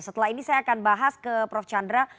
setelah ini saya akan bahas ke prof chandra